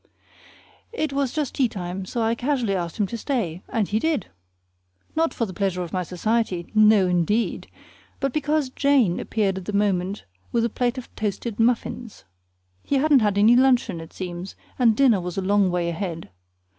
It was just teatime, so I casually asked him to stay, and he did! Not for the pleasure of my society, no, indeed, but because Jane appeared at the moment with a plate of toasted muffins. He hadn't had any luncheon, it seems, and dinner was a long way ahead.